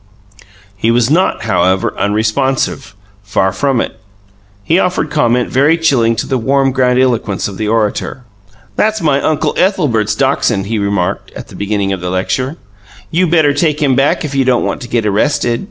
He was not, however, unresponsive far from it. He offered comment very chilling to the warm grandiloquence of the orator. "That's my uncle Ethelbert's dachshund," he remarked, at the beginning of the lecture. "You better take him back if you don't want to get arrested."